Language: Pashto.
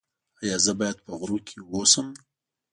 ایا زه باید په غرونو کې اوسم؟